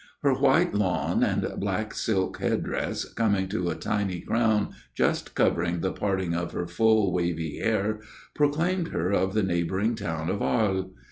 Her white lawn and black silk headdress, coming to a tiny crown just covering the parting of her full, wavy hair, proclaimed her of the neighboring town of Arles.